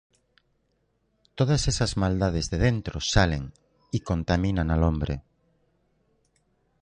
Todas estas maldades de dentro salen, y contaminan al hombre.